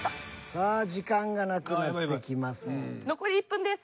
さあ時間がなくなってきます。